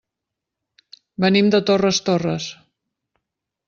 Venim de Torres Torres.